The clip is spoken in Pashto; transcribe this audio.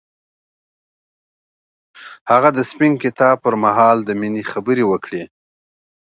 هغه د سپین کتاب پر مهال د مینې خبرې وکړې.